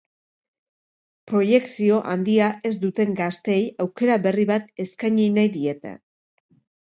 Proiekzio handia ez duten gazteei aukera berri bat eskaini nahi diete.